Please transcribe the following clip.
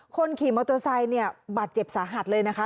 คนขี่มอเตอร์ไซค์เนี่ยบาดเจ็บสาหัสเลยนะคะ